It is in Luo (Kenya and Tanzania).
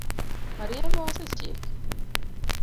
Marieba osechiek?